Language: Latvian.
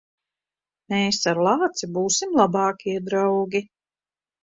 Mēs ar lāci būsim labākie draugi.